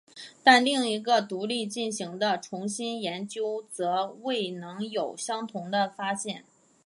但另一个独立进行的重新研究则未能有相同的发现。